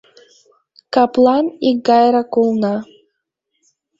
Каплан икгайрак улна.